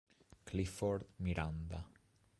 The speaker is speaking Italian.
Clifford Miranda